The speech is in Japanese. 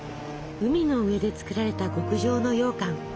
海の上で作られた極上のようかん。